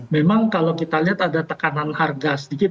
memang kalau kita lihat ada tekanan harga sedikit